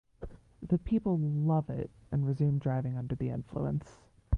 The people love it and resume driving under the influence.